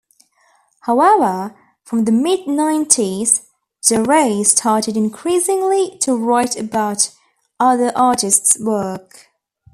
However, from the mid-nineties Jaray started increasingly to write about other artists' work.